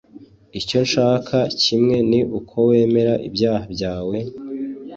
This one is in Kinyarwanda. «Icyo nshaka kimwe ni uko wemera ibyaha byawe,